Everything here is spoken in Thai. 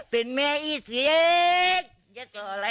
เป็นแม่อีสิงยังต่ออะไรต่อแม่สิงอ๋อเป็นแม่ของยาย